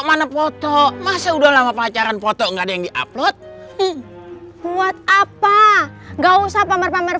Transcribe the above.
mana foto masa udah lama pacaran foto nggak ada yang di upload buat apa enggak usah pamer pamer